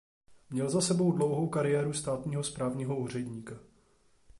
Měl za sebou dlouhou kariéru státního správního úředníka.